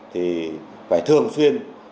thì phải thường xuyên liên tục